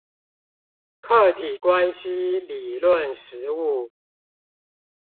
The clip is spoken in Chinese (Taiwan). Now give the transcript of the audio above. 客體關係理論實務